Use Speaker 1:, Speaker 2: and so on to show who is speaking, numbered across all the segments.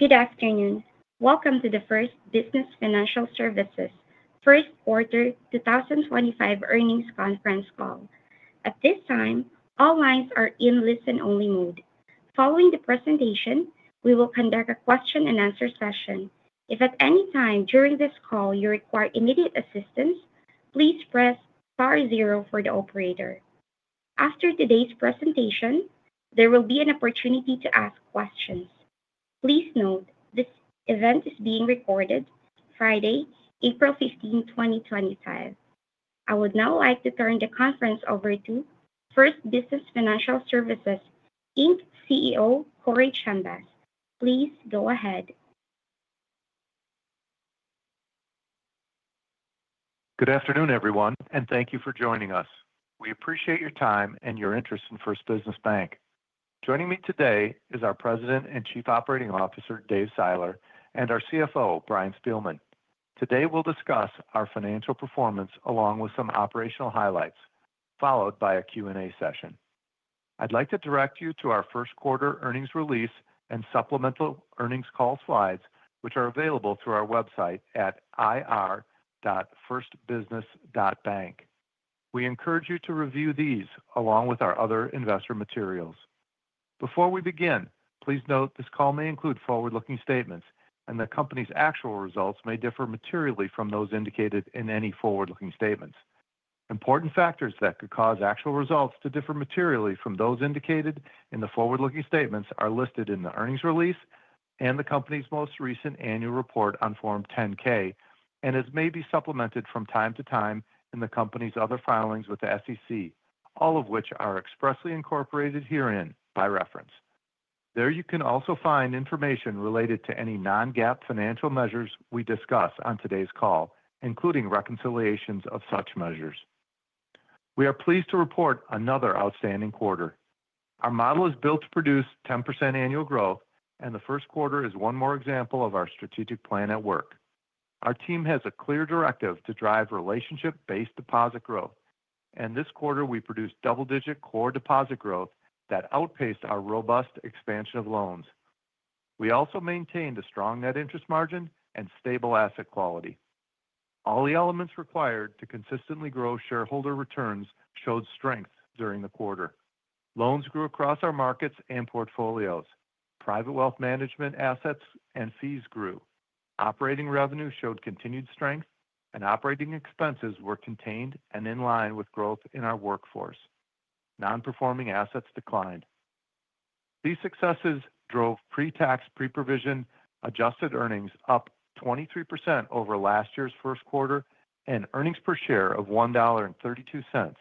Speaker 1: Good afternoon. Welcome to the First Business Financial Services first quarter 2025 earnings conference call. At this time, all lines are in listen-only mode. Following the presentation, we will conduct a question-and-answer session. If at any time during this call you require immediate assistance, please press star zero for the operator. After today's presentation, there will be an opportunity to ask questions. Please note this event is being recorded, Friday, April 15, 2025. I would now like to turn the conference over to First Business Financial Services CEO Corey Chambas. Please go ahead.
Speaker 2: Good afternoon, everyone, and thank you for joining us. We appreciate your time and your interest in First Business Bank. Joining me today is our President and Chief Operating Officer, Dave Seiler, and our CFO, Brian Spielmann. Today we'll discuss our financial performance along with some operational highlights, followed by a Q&A session. I'd like to direct you to our first quarter earnings release and supplemental earnings call slides, which are available through our website at ir.firstbusiness.bank. We encourage you to review these along with our other investor materials. Before we begin, please note this call may include forward-looking statements, and the company's actual results may differ materially from those indicated in any forward-looking statements. Important factors that could cause actual results to differ materially from those indicated in the forward-looking statements are listed in the earnings release and the company's most recent annual report on Form 10-K, and it may be supplemented from time to time in the company's other filings with the SEC, all of which are expressly incorporated herein by reference. There you can also find information related to any non-GAAP financial measures we discuss on today's call, including reconciliations of such measures. We are pleased to report another outstanding quarter. Our model is built to produce 10% annual growth, and the first quarter is one more example of our strategic plan at work. Our team has a clear directive to drive relationship-based deposit growth, and this quarter we produced double-digit core deposit growth that outpaced our robust expansion of loans. We also maintained a strong net interest margin and stable asset quality. All the elements required to consistently grow shareholder returns showed strength during the quarter. Loans grew across our markets and portfolios. Private wealth management assets and fees grew. Operating revenue showed continued strength, and operating expenses were contained and in line with growth in our workforce. Non-performing assets declined. These successes drove pre-tax, pre-provision adjusted earnings up 23% over last year's first quarter and earnings per share of $1.32,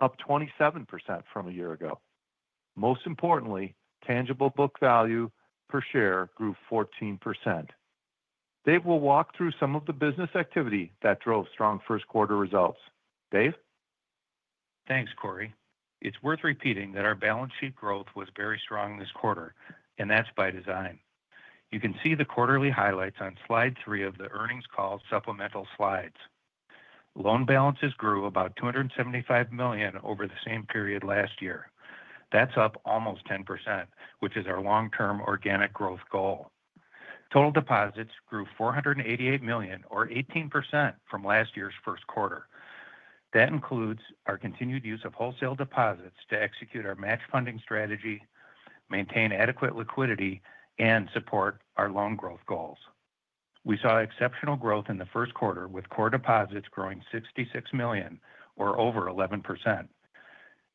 Speaker 2: up 27% from a year ago. Most importantly, tangible book value per share grew 14%. Dave will walk through some of the business activity that drove strong first quarter results. Dave?
Speaker 3: Thanks, Corey. It's worth repeating that our balance sheet growth was very strong this quarter, and that's by design. You can see the quarterly highlights on slide three of the earnings call supplemental slides. Loan balances grew about $275 million over the same period last year. That's up almost 10%, which is our long-term organic growth goal. Total deposits grew $488 million, or 18% from last year's first quarter. That includes our continued use of wholesale deposits to execute our match funding strategy, maintain adequate liquidity, and support our loan growth goals. We saw exceptional growth in the first quarter with core deposits growing $66 million, or over 11%.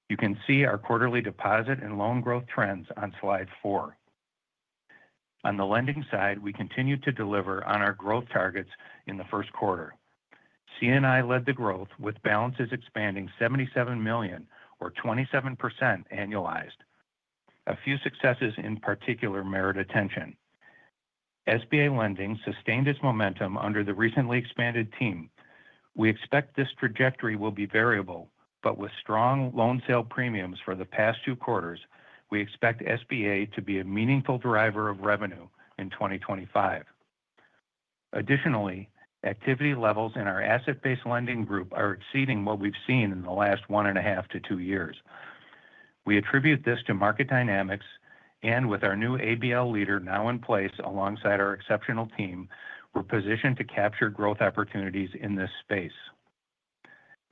Speaker 3: You can see our quarterly deposit and loan growth trends on slide four. On the lending side, we continued to deliver on our growth targets in the first quarter. C&I led the growth with balances expanding $77 million, or 27% annualized. A few successes in particular merit attention. SBA lending sustained its momentum under the recently expanded team. We expect this trajectory will be variable, but with strong loan sale premiums for the past two quarters, we expect SBA to be a meaningful driver of revenue in 2025. Additionally, activity levels in our asset-based lending group are exceeding what we've seen in the last one and a half to two years. We attribute this to market dynamics, and with our new ABL leader now in place alongside our exceptional team, we're positioned to capture growth opportunities in this space.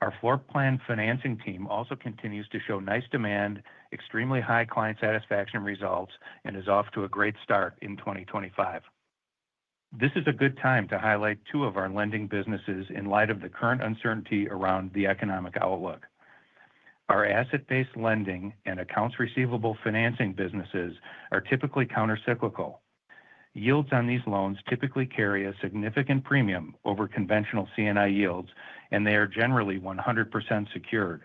Speaker 3: Our floor plan financing team also continues to show nice demand, extremely high client satisfaction results, and is off to a great start in 2025. This is a good time to highlight two of our lending businesses in light of the current uncertainty around the economic outlook. Our asset-based lending and accounts receivable financing businesses are typically countercyclical. Yields on these loans typically carry a significant premium over conventional C&I yields, and they are generally 100% secured.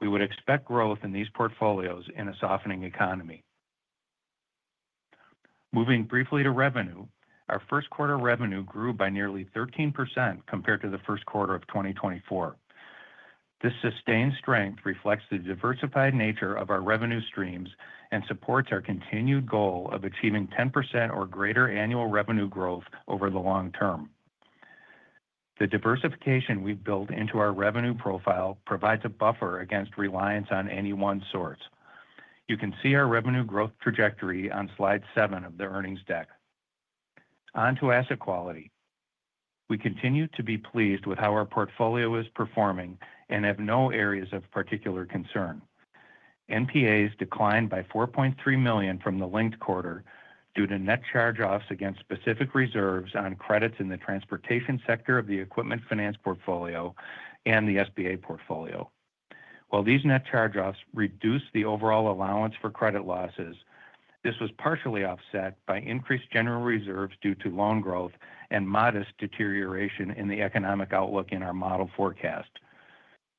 Speaker 3: We would expect growth in these portfolios in a softening economy. Moving briefly to revenue, our first quarter revenue grew by nearly 13% compared to the first quarter of 2024. This sustained strength reflects the diversified nature of our revenue streams and supports our continued goal of achieving 10% or greater annual revenue growth over the long term. The diversification we've built into our revenue profile provides a buffer against reliance on any one source. You can see our revenue growth trajectory on slide seven of the earnings deck. On to asset quality. We continue to be pleased with how our portfolio is performing and have no areas of particular concern. NPAs declined by $4.3 million from the linked quarter due to net charge-offs against specific reserves on credits in the transportation sector of the equipment finance portfolio and the SBA portfolio. While these net charge-offs reduce the overall allowance for credit losses, this was partially offset by increased general reserves due to loan growth and modest deterioration in the economic outlook in our model forecast.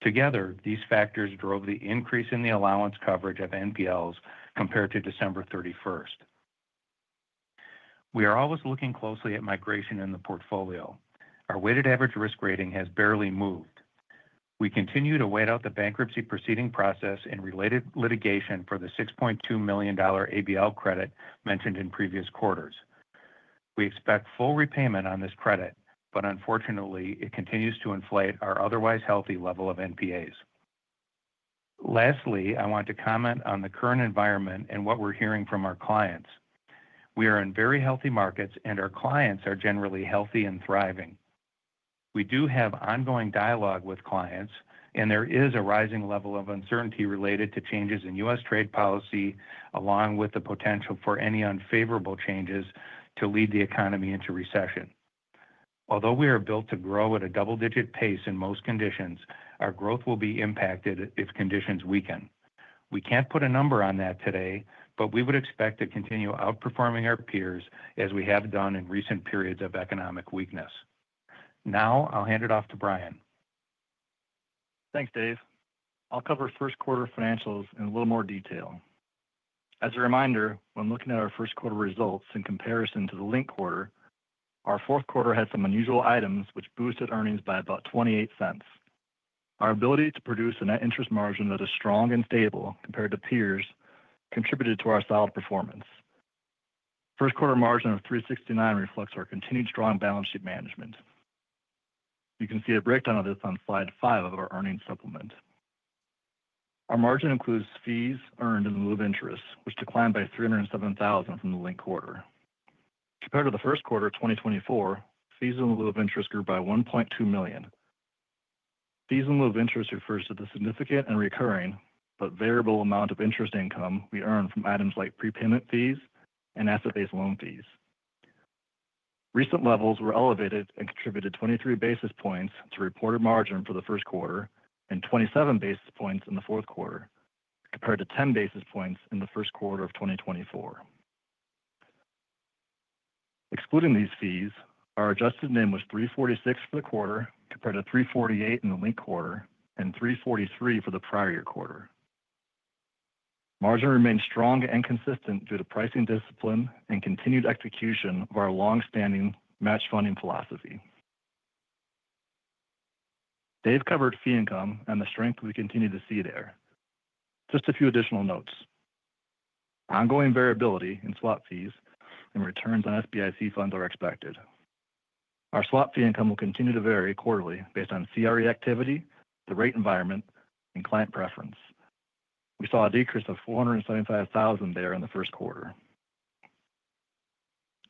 Speaker 3: Together, these factors drove the increase in the allowance coverage of NPLs compared to December 31. We are always looking closely at migration in the portfolio. Our weighted average risk rating has barely moved. We continue to wait out the bankruptcy proceeding process and related litigation for the $6.2 million ABL credit mentioned in previous quarters. We expect full repayment on this credit, but unfortunately, it continues to inflate our otherwise healthy level of NPAs. Lastly, I want to comment on the current environment and what we're hearing from our clients. We are in very healthy markets, and our clients are generally healthy and thriving. We do have ongoing dialogue with clients, and there is a rising level of uncertainty related to changes in U.S. trade policy, along with the potential for any unfavorable changes to lead the economy into recession. Although we are built to grow at a double-digit pace in most conditions, our growth will be impacted if conditions weaken. We can't put a number on that today, but we would expect to continue outperforming our peers as we have done in recent periods of economic weakness. Now I'll hand it off to Brian.
Speaker 4: Thanks, Dave. I'll cover first quarter financials in a little more detail. As a reminder, when looking at our first quarter results in comparison to the linked quarter, our fourth quarter had some unusual items which boosted earnings by about $0.28. Our ability to produce a net interest margin that is strong and stable compared to peers contributed to our solid performance. First quarter margin of 3.69% reflects our continued strong balance sheet management. You can see a breakdown of this on slide five of our earnings supplement. Our margin includes fees earned in lieu of interest, which declined by $307,000 from the linked quarter. Compared to the first quarter of 2024, fees in lieu of interest grew by $1.2 million. Fees in lieu of interest refers to the significant and recurring but variable amount of interest income we earn from items like prepayment fees and asset-based loan fees. Recent levels were elevated and contributed 23 basis points to reported margin for the first quarter and 27 basis points in the fourth quarter, compared to 10 basis points in the first quarter of 2024. Excluding these fees, our adjusted NIM was 3.46% for the quarter, compared to 3.48% in the linked quarter and 3.43% for the prior year quarter. Margin remained strong and consistent due to pricing discipline and continued execution of our longstanding match funding philosophy. Dave covered fee income and the strength we continue to see there. Just a few additional notes. Ongoing variability in swap fees and returns on SBIC funds are expected. Our swap fee income will continue to vary quarterly based on CRE activity, the rate environment, and client preference. We saw a decrease of $475,000 there in the first quarter.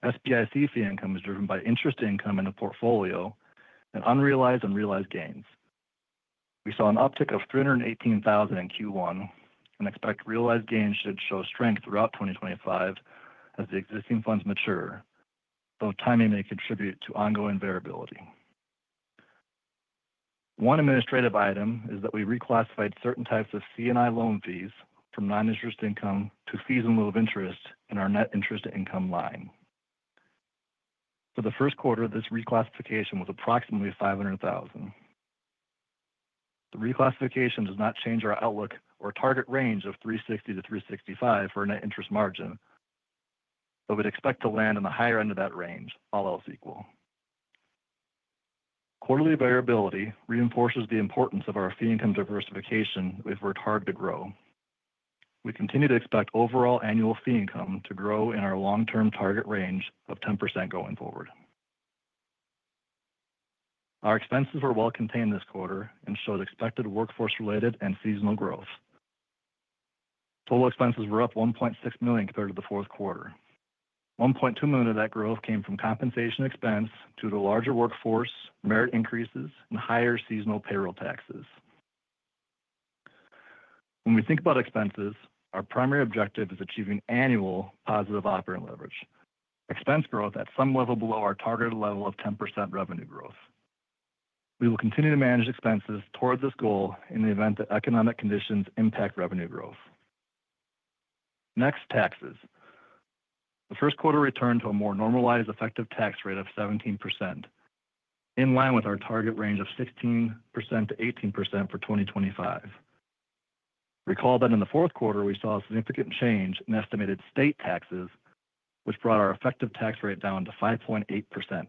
Speaker 4: SBIC fee income is driven by interest income in the portfolio and unrealized and realized gains. We saw an uptick of $318,000 in Q1 and expect realized gains should show strength throughout 2025 as the existing funds mature, though timing may contribute to ongoing variability. One administrative item is that we reclassified certain types of CNI loan fees from non-interest income to fees in lieu of interest in our net interest income line. For the first quarter, this reclassification was approximately $500,000. The reclassification does not change our outlook or target range of $360-$365 for our net interest margin, but we'd expect to land on the higher end of that range, all else equal. Quarterly variability reinforces the importance of our fee income diversification that we've worked hard to grow. We continue to expect overall annual fee income to grow in our long-term target range of 10% going forward. Our expenses were well contained this quarter and showed expected workforce-related and seasonal growth. Total expenses were up $1.6 million compared to the fourth quarter. $1.2 million of that growth came from compensation expense due to larger workforce, merit increases, and higher seasonal payroll taxes. When we think about expenses, our primary objective is achieving annual positive operating leverage, expense growth at some level below our targeted level of 10% revenue growth. We will continue to manage expenses toward this goal in the event that economic conditions impact revenue growth. Next, taxes. The first quarter returned to a more normalized effective tax rate of 17%, in line with our target range of 16%-18% for 2025. Recall that in the fourth quarter, we saw a significant change in estimated state taxes, which brought our effective tax rate down to 5.8%.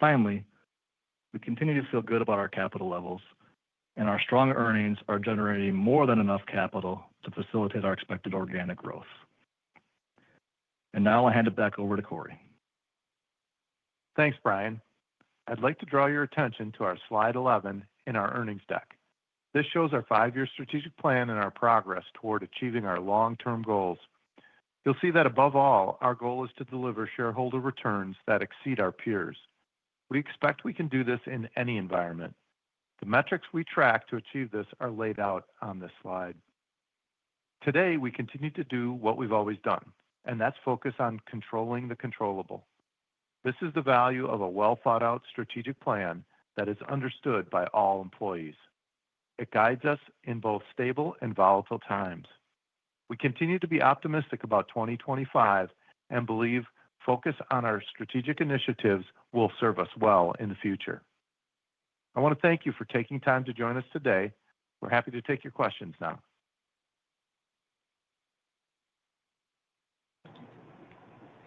Speaker 4: Finally, we continue to feel good about our capital levels, and our strong earnings are generating more than enough capital to facilitate our expected organic growth. Now I'll hand it back over to Corey.
Speaker 2: Thanks, Brian. I'd like to draw your attention to our slide 11 in our earnings deck. This shows our five-year strategic plan and our progress toward achieving our long-term goals. You'll see that above all, our goal is to deliver shareholder returns that exceed our peers. We expect we can do this in any environment. The metrics we track to achieve this are laid out on this slide. Today, we continue to do what we've always done, and that's focus on controlling the controllable. This is the value of a well-thought-out strategic plan that is understood by all employees. It guides us in both stable and volatile times. We continue to be optimistic about 2025 and believe focus on our strategic initiatives will serve us well in the future. I want to thank you for taking time to join us today. We're happy to take your questions now.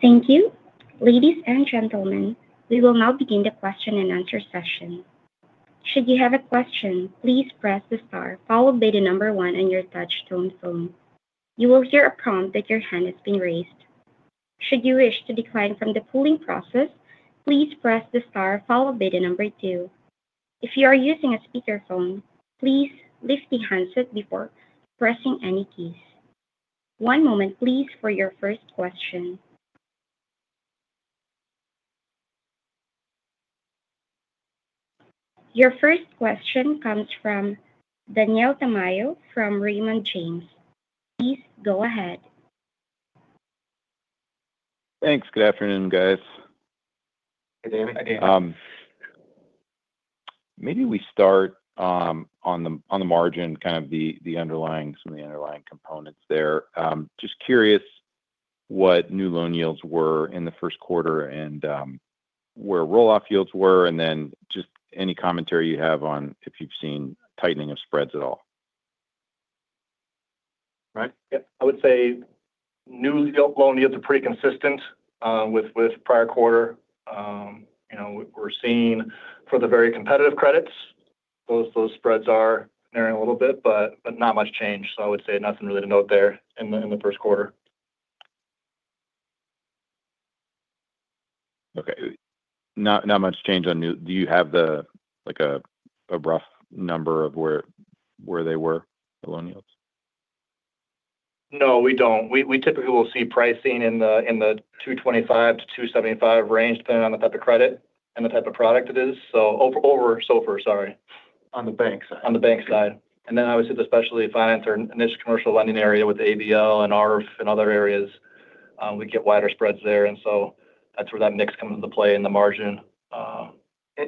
Speaker 1: Thank you. Ladies and gentlemen, we will now begin the question and answer session. Should you have a question, please press the star followed by the number one on your touch tone phone. You will hear a prompt that your hand has been raised. Should you wish to decline from the pooling process, please press the star followed by the number two. If you are using a speakerphone, please lift the handset before pressing any keys. One moment, please, for your first question. Your first question comes from Daniel Tamayo from Raymond James. Please go ahead.
Speaker 5: Thanks. Good afternoon, guys.
Speaker 2: Hey, David.
Speaker 4: Hey, David.
Speaker 5: Maybe we start on the margin, kind of some of the underlying components there. Just curious what new loan yields were in the first quarter and where rolloff yields were, and then just any commentary you have on if you've seen tightening of spreads at all.
Speaker 4: Right. Yeah. I would say new loan yields are pretty consistent with prior quarter. We're seeing for the very competitive credits, those spreads are narrowing a little bit, but not much change. I would say nothing really to note there in the first quarter.
Speaker 5: Okay. Not much change on new. Do you have a rough number of where they were, the loan yields?
Speaker 4: No, we don't. We typically will see pricing in the $225-$275 range depending on the type of credit and the type of product it is. Sorry.
Speaker 2: On the bank side.
Speaker 4: On the bank side. I would say the specialty finance or niche commercial lending area with ABL and ARF and other areas, we get wider spreads there. That is where that mix comes into play in the margin.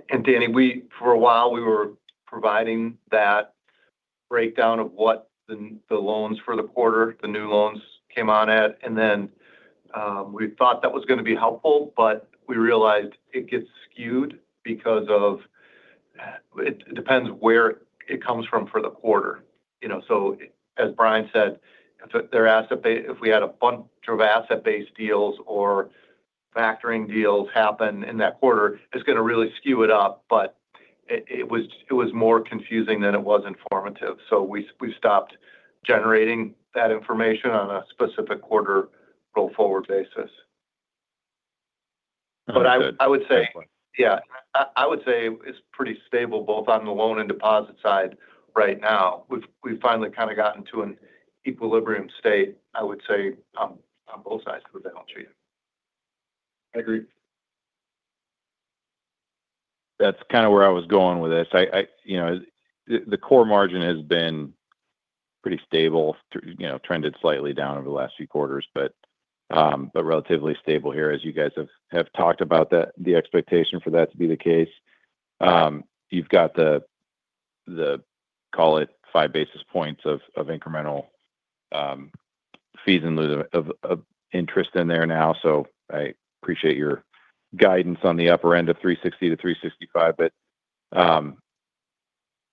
Speaker 2: Danny, for a while, we were providing that breakdown of what the loans for the quarter, the new loans came on at. We thought that was going to be helpful, but we realized it gets skewed because it depends where it comes from for the quarter. As Brian said, if we had a bunch of asset-based deals or factoring deals happen in that quarter, it is going to really skew it up. It was more confusing than it was informative. We stopped generating that information on a specific quarter roll forward basis. I would say that is fine. Yeah. I would say it's pretty stable both on the loan and deposit side right now. We've finally kind of gotten to an equilibrium state, I would say, on both sides of the balance sheet.
Speaker 4: I agree.
Speaker 5: That's kind of where I was going with this. The core margin has been pretty stable, trended slightly down over the last few quarters, but relatively stable here, as you guys have talked about the expectation for that to be the case. You've got the, call it, five basis points of incremental fees and interest in there now. I appreciate your guidance on the upper end of $360-$365.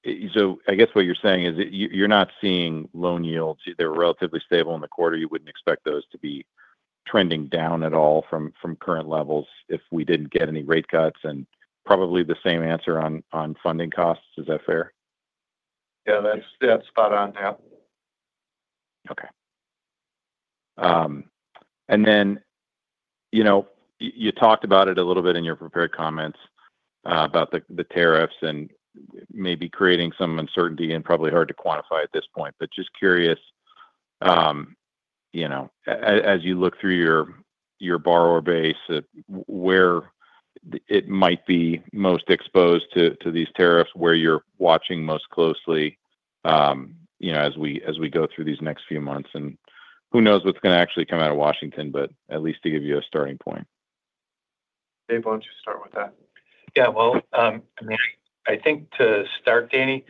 Speaker 5: I guess what you're saying is you're not seeing loan yields. They're relatively stable in the quarter. You wouldn't expect those to be trending down at all from current levels if we didn't get any rate cuts and probably the same answer on funding costs. Is that fair?
Speaker 2: Yeah, that's spot on, yeah.
Speaker 5: Okay. You talked about it a little bit in your prepared comments about the tariffs and maybe creating some uncertainty and probably hard to quantify at this point. Just curious, as you look through your borrower base, where it might be most exposed to these tariffs, where you're watching most closely as we go through these next few months. Who knows what's going to actually come out of Washington, but at least to give you a starting point.
Speaker 2: Dave, why don't you start with that?
Speaker 3: Yeah. I mean, I think to start, Danny,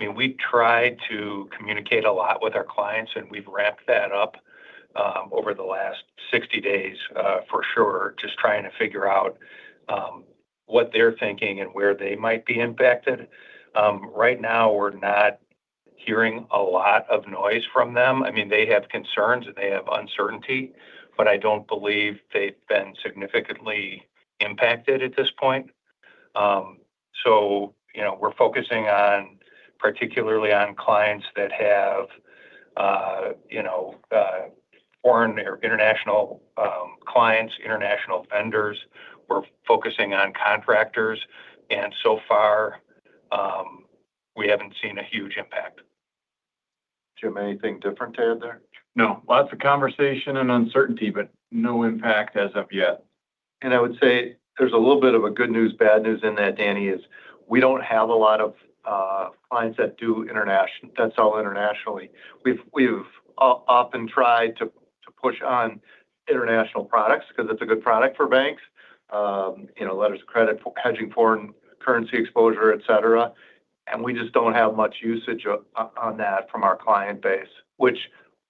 Speaker 3: I mean, we've tried to communicate a lot with our clients, and we've ramped that up over the last 60 days for sure, just trying to figure out what they're thinking and where they might be impacted. Right now, we're not hearing a lot of noise from them. I mean, they have concerns and they have uncertainty, but I don't believe they've been significantly impacted at this point. We are focusing particularly on clients that have foreign or international clients, international vendors. We are focusing on contractors. And so far, we haven't seen a huge impact.
Speaker 5: Do you have anything different to add there?
Speaker 3: No. Lots of conversation and uncertainty, but no impact as of yet. I would say there's a little bit of a good news, bad news in that, Danny, is we don't have a lot of clients that do international. That's all internationally. We've often tried to push on international products because it's a good product for banks, letters of credit, hedging foreign currency exposure, etc. We just don't have much usage on that from our client base, which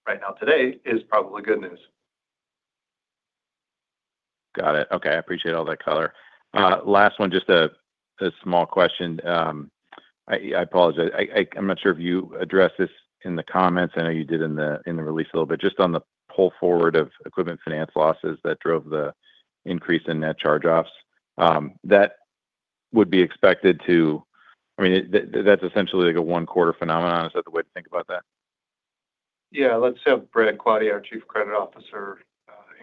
Speaker 3: right now today is probably good news.
Speaker 5: Got it. Okay. I appreciate all that color. Last one, just a small question. I apologize. I'm not sure if you addressed this in the comments. I know you did in the release a little bit. Just on the pull forward of equipment finance losses that drove the increase in net charge-offs. That would be expected to, I mean, that's essentially like a one-quarter phenomenon. Is that the way to think about that?
Speaker 4: Yeah. Let's have Brad Quade, our Chief Credit Officer, hang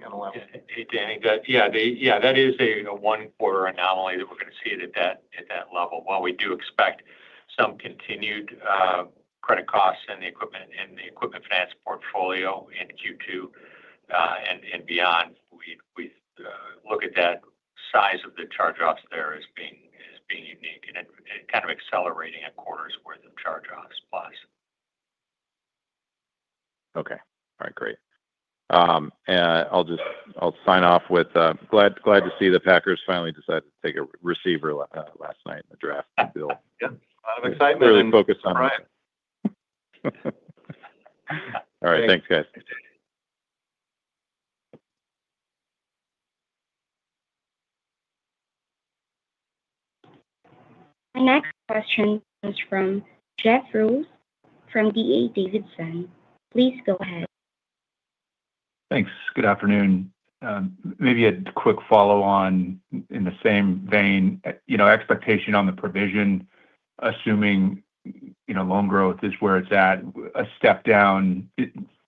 Speaker 4: on a moment.
Speaker 6: Hey, Danny. Yeah. Yeah. That is a one-quarter anomaly that we're going to see at that level. While we do expect some continued credit costs in the equipment finance portfolio in Q2 and beyond, we look at that size of the charge-offs there as being unique and kind of accelerating a quarter's worth of charge-offs plus. Okay. All right. Great. I'll sign off with glad to see the Packers finally decided to take a receiver last night in the draft bill.
Speaker 4: Yeah. A lot of excitement.
Speaker 5: Really focused on that. All right. Thanks, guys.
Speaker 1: Our next question is from Jeff Rulis from DA Davidson. Please go ahead.
Speaker 7: Thanks. Good afternoon. Maybe a quick follow-on in the same vein. Expectation on the provision, assuming loan growth is where it's at, a step down,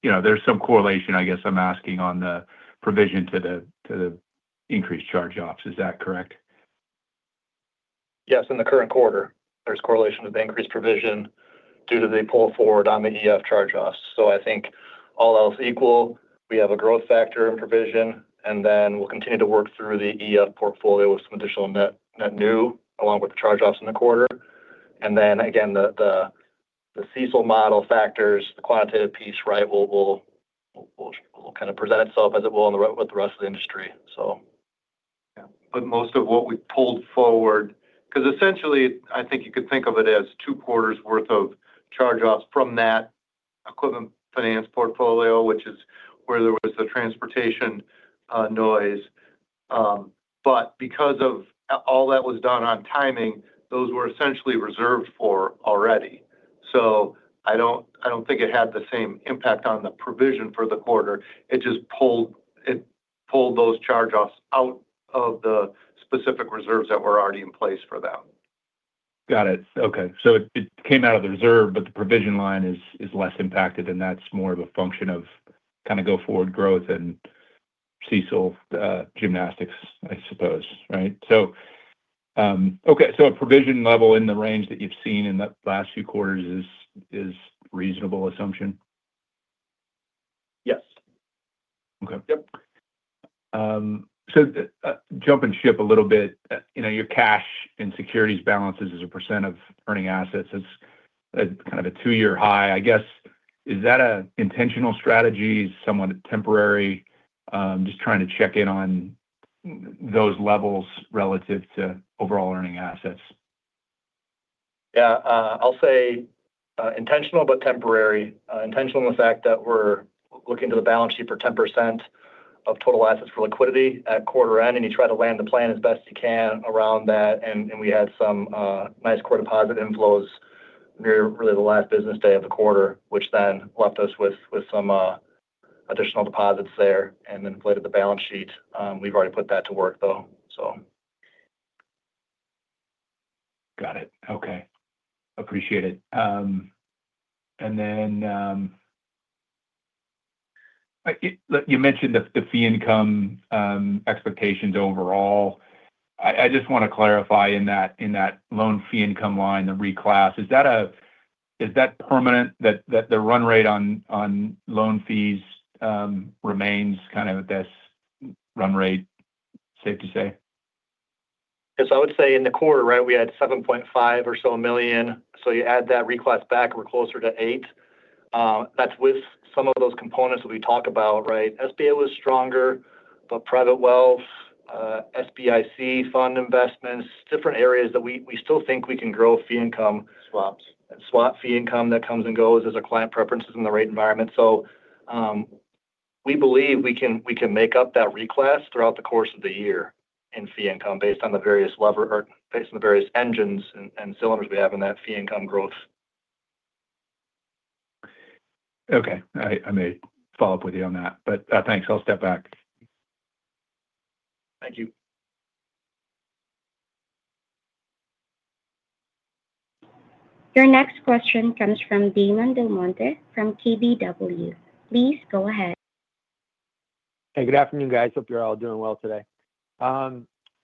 Speaker 7: there's some correlation, I guess I'm asking, on the provision to the increased charge-offs. Is that correct?
Speaker 4: Yes. In the current quarter, there's correlation to the increased provision due to the pull forward on the EF charge-offs. I think all else equal, we have a growth factor in provision, and we'll continue to work through the EF portfolio with some additional net new along with the charge-offs in the quarter. Again, the CECL model factors, the quantitative piece, right, will kind of present itself as it will with the rest of the industry. Yeah. Most of what we pulled forward, because essentially, I think you could think of it as two quarters' worth of charge-offs from that equipment finance portfolio, which is where there was the transportation noise. Because all that was done on timing, those were essentially reserved for already. I do not think it had the same impact on the provision for the quarter. It just pulled those charge-offs out of the specific reserves that were already in place for them.
Speaker 7: Got it. Okay. So it came out of the reserve, but the provision line is less impacted, and that's more of a function of kind of go-forward growth and CECL gymnastics, I suppose, right? Okay. So a provision level in the range that you've seen in the last few quarters is a reasonable assumption?
Speaker 4: Yes. Yep.
Speaker 7: Jumping ship a little bit, your cash and securities balances as a percent of earning assets is kind of a two-year high. I guess, is that an intentional strategy, somewhat temporary, just trying to check in on those levels relative to overall earning assets?
Speaker 4: Yeah. I'll say intentional, but temporary. Intentional in the fact that we're looking to the balance sheet for 10% of total assets for liquidity at quarter end. You try to land the plan as best you can around that. We had some nice core deposit inflows near really the last business day of the quarter, which then left us with some additional deposits there and inflated the balance sheet. We've already put that to work, though.
Speaker 7: Got it. Okay. Appreciate it. You mentioned the fee income expectations overall. I just want to clarify in that loan fee income line, the reclass. Is that permanent, that the run rate on loan fees remains kind of at this run rate, safe to say?
Speaker 3: Yes. I would say in the quarter, right, we had $7.5 million or so. You add that reclass back, we're closer to $8 million. That's with some of those components that we talk about, right? SBA was stronger, but private wealth, SBIC fund investments, different areas that we still think we can grow fee income.
Speaker 7: Swaps.
Speaker 3: Swap fee income that comes and goes as our client preferences in the rate environment. We believe we can make up that reclass throughout the course of the year in fee income based on the various lever or based on the various engines and cylinders we have in that fee income growth.
Speaker 7: Okay. I may follow up with you on that. Thanks. I'll step back.
Speaker 3: Thank you.
Speaker 1: Your next question comes from Damon Del Monte from KBW. Please go ahead.
Speaker 8: Hey, good afternoon, guys. Hope you're all doing well today.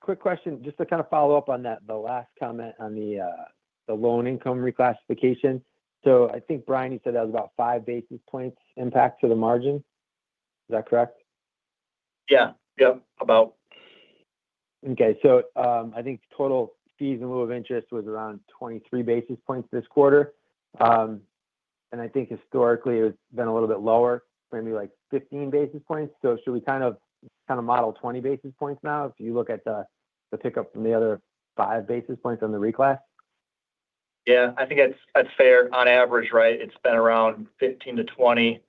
Speaker 8: Quick question, just to kind of follow up on the last comment on the loan income reclassification. I think, Brian, you said that was about five basis points impact to the margin. Is that correct?
Speaker 4: Yeah. Yep. About.
Speaker 8: Okay. I think total fees in lieu of interest was around 23 basis points this quarter. I think historically, it's been a little bit lower, maybe like 15 basis points. Should we kind of model 20 basis points now if you look at the pickup from the other five basis points on the reclass?
Speaker 4: Yeah. I think that's fair. On average, right, it's been around 15-20.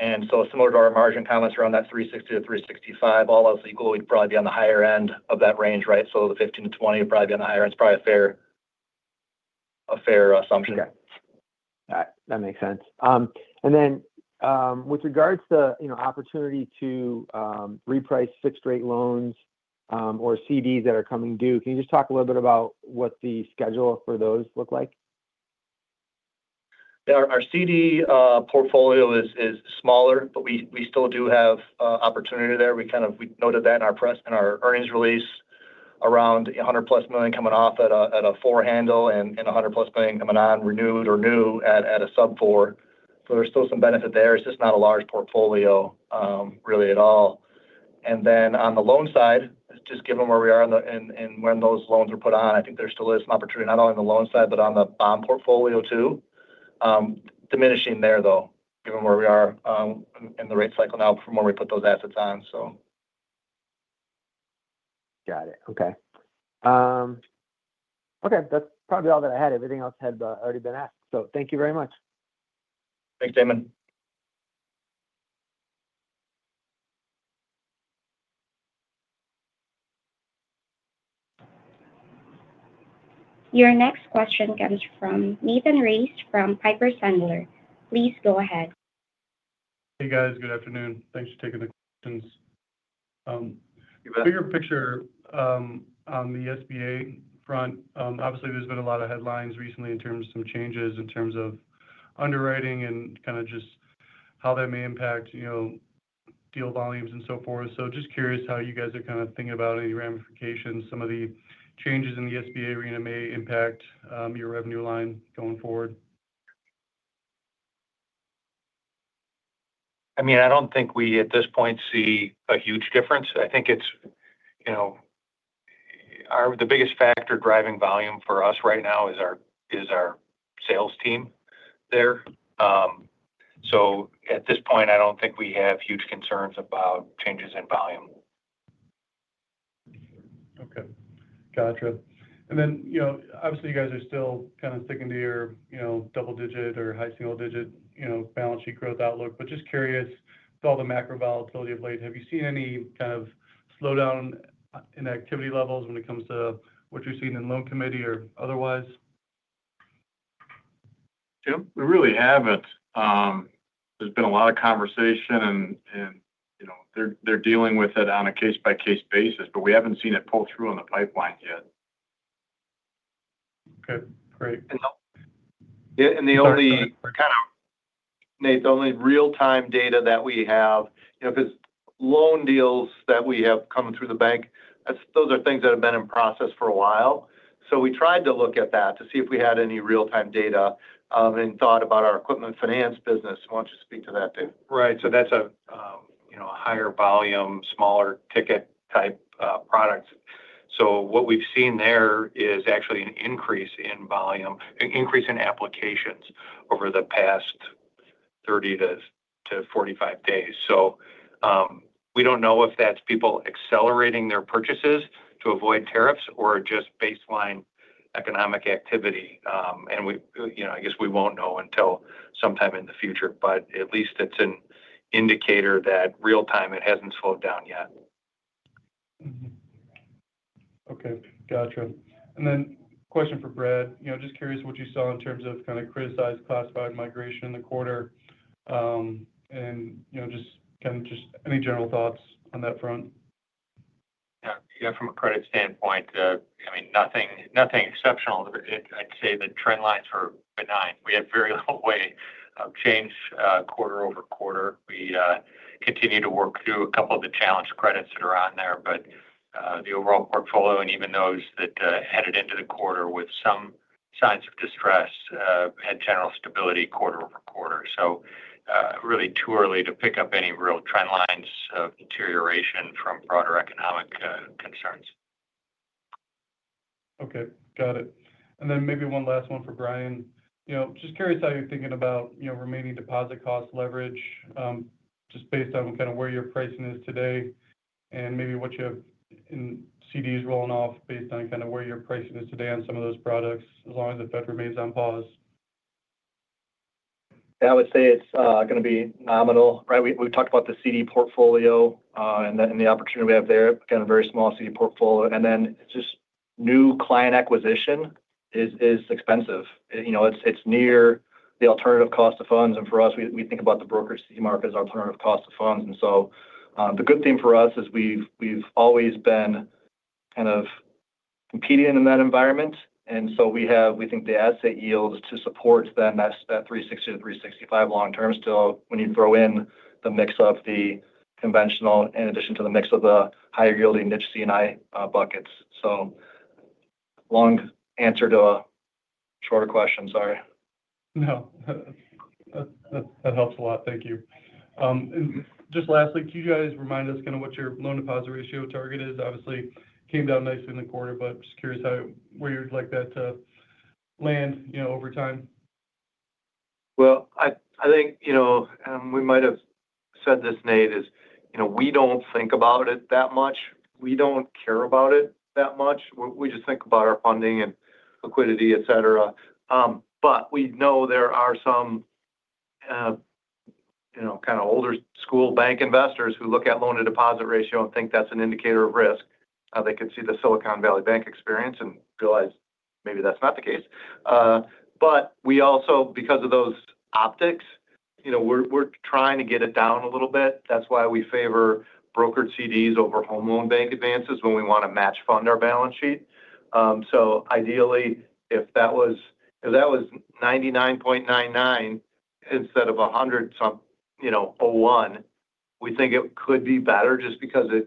Speaker 4: And so similar to our margin comments around that 360-365, all else equal, we'd probably be on the higher end of that range, right? So the 15-20 would probably be on the higher end. It's probably a fair assumption.
Speaker 8: Okay. All right. That makes sense. With regards to opportunity to reprice fixed-rate loans or CDs that are coming due, can you just talk a little bit about what the schedule for those look like?
Speaker 4: Our CD portfolio is smaller, but we still do have opportunity there. We kind of noted that in our earnings release around $100 million-plus coming off at a 4 handle and $100 million-plus coming on renewed or new at a sub-4. There is still some benefit there. It is just not a large portfolio really at all. Then on the loan side, just given where we are and when those loans were put on, I think there still is some opportunity not only on the loan side, but on the bond portfolio too. Diminishing there, though, given where we are in the rate cycle now from when we put those assets on.
Speaker 8: Got it. Okay. That's probably all that I had. Everything else had already been asked. Thank you very much.
Speaker 4: Thanks, Damon.
Speaker 1: Your next question comes from Nathan Race from Piper Sandler. Please go ahead.
Speaker 9: Hey, guys. Good afternoon. Thanks for taking the questions. You bet. Bigger picture on the SBA front, obviously, there's been a lot of headlines recently in terms of some changes in terms of underwriting and kind of just how that may impact deal volumes and so forth. Just curious how you guys are kind of thinking about any ramifications, some of the changes in the SBA arena may impact your revenue line going forward.
Speaker 4: I mean, I don't think we at this point see a huge difference. I think the biggest factor driving volume for us right now is our sales team there. At this point, I don't think we have huge concerns about changes in volume.
Speaker 9: Okay. Gotcha. You guys are still kind of sticking to your double-digit or high single-digit balance sheet growth outlook. Just curious, with all the macro volatility of late, have you seen any kind of slowdown in activity levels when it comes to what you're seeing in the loan committee or otherwise?
Speaker 3: Tim, we really haven't. There's been a lot of conversation, and they're dealing with it on a case-by-case basis, but we haven't seen it pull through on the pipeline yet.
Speaker 9: Okay. Great.
Speaker 4: The only kind of real-time data that we have because loan deals that we have coming through the bank, those are things that have been in process for a while. We tried to look at that to see if we had any real-time data and thought about our equipment finance business. Why do you not speak to that, Dave?
Speaker 3: Right. That's a higher volume, smaller ticket type products. What we've seen there is actually an increase in volume, an increase in applications over the past 30 to 45 days. We don't know if that's people accelerating their purchases to avoid tariffs or just baseline economic activity. I guess we won't know until sometime in the future, but at least it's an indicator that real-time it hasn't slowed down yet.
Speaker 9: Okay. Gotcha. And then question for Brad. Just curious what you saw in terms of kind of criticized classified migration in the quarter and just kind of just any general thoughts on that front.
Speaker 6: Yeah. From a credit standpoint, I mean, nothing exceptional. I'd say the trend lines were benign. We had very little way of change quarter over quarter. We continue to work through a couple of the challenge credits that are on there. The overall portfolio and even those that headed into the quarter with some signs of distress had general stability quarter over quarter. Really too early to pick up any real trend lines of deterioration from broader economic concerns.
Speaker 9: Okay. Got it. Maybe one last one for Brian. Just curious how you're thinking about remaining deposit cost leverage just based on kind of where your pricing is today and maybe what you have in CDs rolling off based on kind of where your pricing is today on some of those products as long as the Fed remains on pause.
Speaker 4: I would say it's going to be nominal, right? We've talked about the CD portfolio and the opportunity we have there, kind of very small CD portfolio. Then just new client acquisition is expensive. It's near the alternative cost of funds. For us, we think about the brokerage CD market as alternative cost of funds. The good thing for us is we've always been kind of competing in that environment. We think the asset yields to support then that 360-365 long-term still when you throw in the mix of the conventional in addition to the mix of the higher yielding niche C&I buckets. Long answer to a shorter question. Sorry.
Speaker 9: No. That helps a lot. Thank you. Just lastly, could you guys remind us kind of what your loan deposit ratio target is? Obviously, it came down nicely in the quarter, but just curious where you'd like that to land over time.
Speaker 3: I think we might have said this, Nate, is we don't think about it that much. We don't care about it that much. We just think about our funding and liquidity, etc. We know there are some kind of older school bank investors who look at loan to deposit ratio and think that's an indicator of risk. They could see the Silicon Valley Bank experience and realize maybe that's not the case. We also, because of those optics, are trying to get it down a little bit. That's why we favor brokered CDs over Home Loan Bank advances when we want to match fund our balance sheet. Ideally, if that was 99.99 instead of 100.01, we think it could be better just because of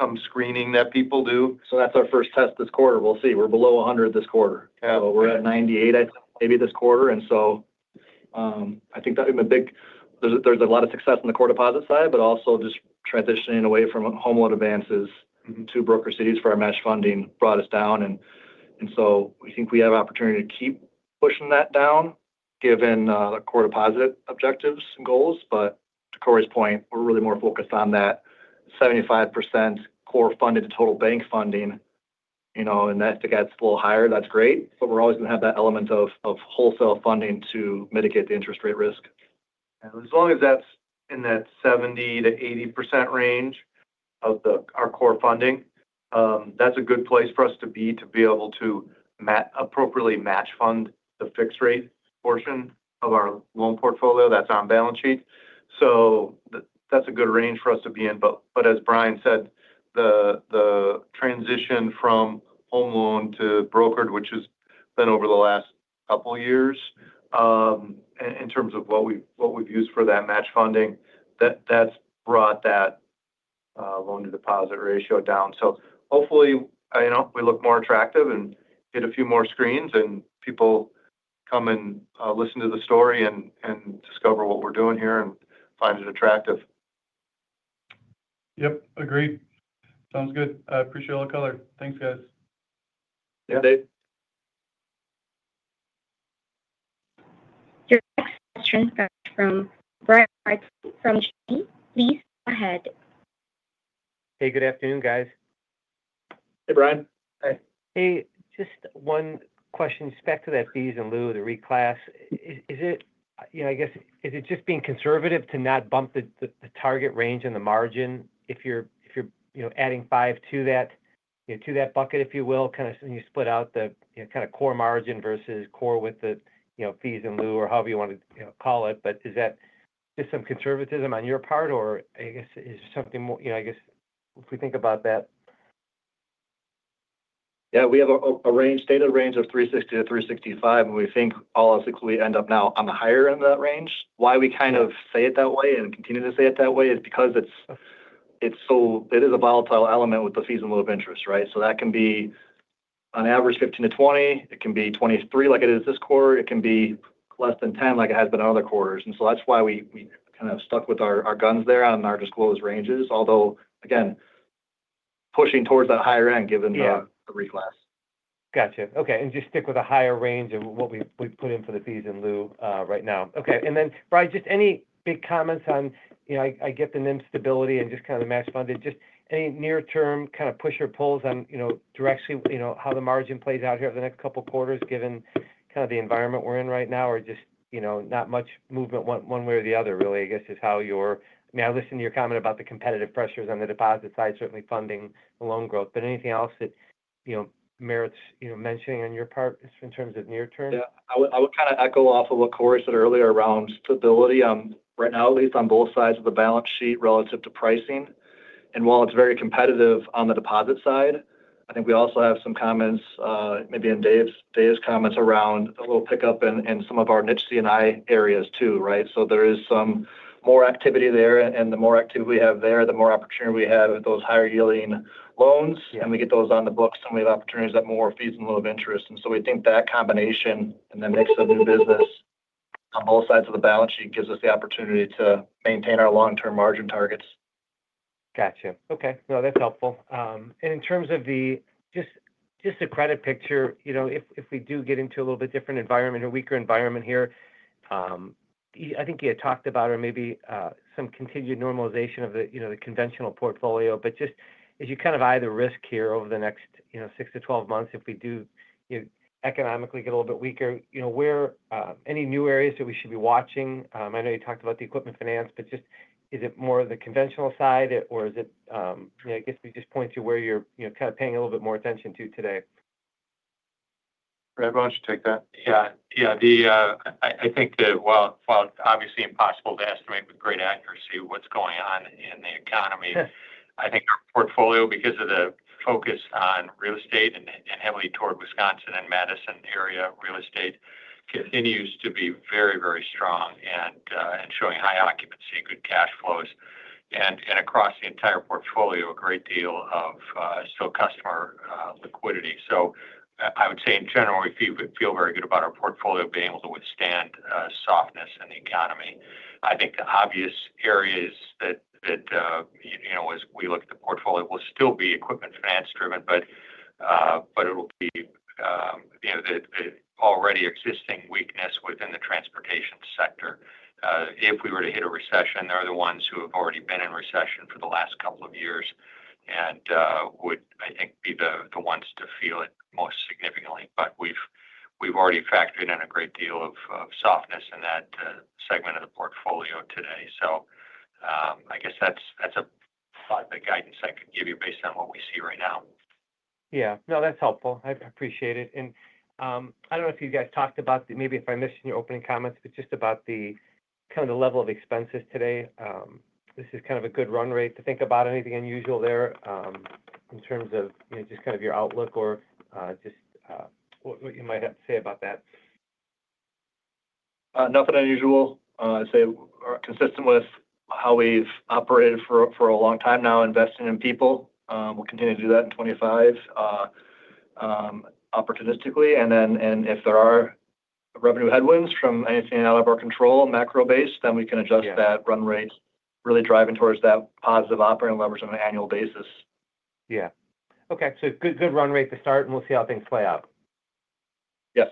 Speaker 3: some screening that people do. That's our first test this quarter. We'll see. We're below 100 this quarter. We're at 98, I think, maybe this quarter. I think that would be a big, there's a lot of success on the core deposit side, but also just transitioning away from home loan advances to brokered CDs for our match funding brought us down. We think we have an opportunity to keep pushing that down given the core deposit objectives and goals. To Corey's point, we're really more focused on that 75% core funded to total bank funding. If it gets a little higher, that's great. We're always going to have that element of wholesale funding to mitigate the interest rate risk. As long as that's in that 70-80% range of our core funding, that's a good place for us to be to be able to appropriately match fund the fixed-rate portion of our loan portfolio that's on balance sheet. That's a good range for us to be in. As Brian said, the transition from home loan to brokered, which has been over the last couple of years in terms of what we've used for that match funding, that's brought that loan to deposit ratio down. Hopefully, we look more attractive and get a few more screens and people come and listen to the story and discover what we're doing here and find it attractive.
Speaker 9: Yep. Agreed. Sounds good. I appreciate all the color. Thanks, guys.
Speaker 3: Yeah.
Speaker 1: Your next question comes from Brian from Janney. Please go ahead.
Speaker 10: Hey, good afternoon, guys.
Speaker 4: Hey, Brian.
Speaker 3: Hey.
Speaker 10: Hey. Just one question spec to that fees in lieu to reclass. I guess, is it just being conservative to not bump the target range and the margin if you're adding five to that bucket, if you will, kind of when you split out the kind of core margin versus core with the fees in lieu or however you want to call it? Is that just some conservatism on your part? Or I guess, is there something more? I guess, if we think about that.
Speaker 3: Yeah. We have a range, data range of 360-365, and we think all else equally, we end up now on the higher end of that range. Why we kind of say it that way and continue to say it that way is because it is a volatile element with the fees in lieu of interest, right? That can be on average 15-20. It can be 23 like it is this quarter. It can be less than 10 like it has been on other quarters. That is why we kind of stuck with our guns there on our disclosed ranges, although, again, pushing towards that higher end given the reclass.
Speaker 10: Gotcha. Okay. Just stick with a higher range of what we put in for the fees in lieu right now. Okay. Brian, just any big comments on I get the NIM stability and just kind of the match funding. Just any near-term kind of push or pulls on directly how the margin plays out here over the next couple of quarters given kind of the environment we're in right now or just not much movement one way or the other, really, I guess, is how you're—I mean, I listened to your comment about the competitive pressures on the deposit side, certainly funding the loan growth. Anything else that merits mentioning on your part in terms of near-term?
Speaker 3: Yeah. I would kind of echo off of what Corey said earlier around stability. Right now, at least on both sides of the balance sheet relative to pricing. Right now, while it's very competitive on the deposit side, I think we also have some comments, maybe in Dave's comments around a little pickup in some of our niche C&I areas too, right? There is some more activity there. The more activity we have there, the more opportunity we have with those higher yielding loans. We get those on the books, and we have opportunities at more fees in lieu of interest. We think that combination and the mix of new business on both sides of the balance sheet gives us the opportunity to maintain our long-term margin targets.
Speaker 10: Gotcha. Okay. No, that's helpful. In terms of just the credit picture, if we do get into a little bit different environment, a weaker environment here, I think you had talked about or maybe some continued normalization of the conventional portfolio. Just as you kind of eye the risk here over the next 6 to 12 months, if we do economically get a little bit weaker, any new areas that we should be watching? I know you talked about the equipment finance, but just is it more of the conventional side, or is it I guess we just point to where you're kind of paying a little bit more attention to today? Brad, why don't you take that?
Speaker 6: Yeah. Yeah. I think that while it's obviously impossible to estimate with great accuracy what's going on in the economy, I think our portfolio, because of the focus on real estate and heavily toward Wisconsin and Madison area real estate, continues to be very, very strong and showing high occupancy and good cash flows. Across the entire portfolio, a great deal of still customer liquidity. I would say, in general, we feel very good about our portfolio being able to withstand softness in the economy. I think the obvious areas that, as we look at the portfolio, will still be equipment finance driven, but it will be the already existing weakness within the transportation sector. If we were to hit a recession, they're the ones who have already been in recession for the last couple of years and would, I think, be the ones to feel it most significantly. We have already factored in a great deal of softness in that segment of the portfolio today. I guess that's the guidance I can give you based on what we see right now.
Speaker 10: Yeah. No, that's helpful. I appreciate it. I do not know if you guys talked about maybe if I missed in your opening comments, but just about the kind of the level of expenses today. This is kind of a good run rate to think about. Anything unusual there in terms of just kind of your outlook or just what you might have to say about that?
Speaker 3: Nothing unusual. I'd say consistent with how we've operated for a long time now, investing in people. We'll continue to do that in 2025 opportunistically. If there are revenue headwinds from anything out of our control, macro-based, we can adjust that run rate, really driving towards that positive operating leverage on an annual basis.
Speaker 10: Yeah. Okay. Good run rate to start, and we'll see how things play out.
Speaker 4: Yes.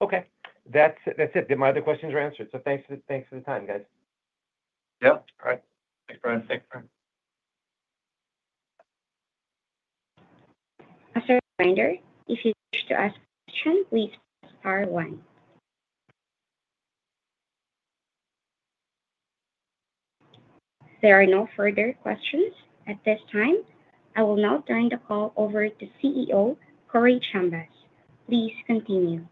Speaker 10: Okay. That's it. My other questions are answered. Thanks for the time, guys.
Speaker 3: Yeah. All right. Thanks, Brian.
Speaker 10: Thanks, Brian.
Speaker 1: After the reminder, if you wish to ask a question, please press star one. There are no further questions at this time. I will now turn the call over to CEO Corey Chambas. Please continue.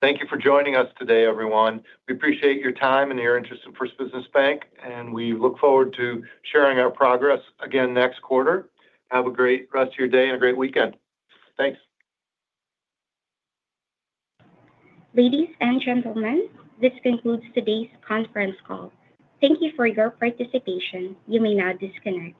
Speaker 2: Thank you for joining us today, everyone. We appreciate your time and your interest in First Business Bank, and we look forward to sharing our progress again next quarter. Have a great rest of your day and a great weekend. Thanks.
Speaker 1: Ladies and gentlemen, this concludes today's conference call. Thank you for your participation. You may now disconnect.